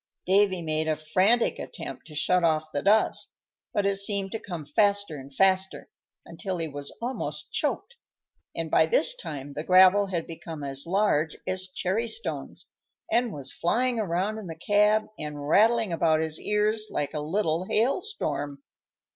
Davy made a frantic attempt to shut off the dust, but it seemed to come faster and faster, until he was almost choked, and by this time the gravel had become as large as cherry stones, and was flying around in the cab and rattling about his ears like a little hail storm.